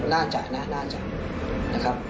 น่าจะน่าจะ